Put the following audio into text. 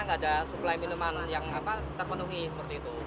nggak ada suplai minuman yang terpenuhi seperti itu